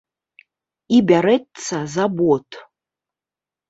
І бярэцца за бот.